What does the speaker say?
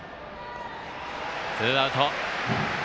ツーアウト。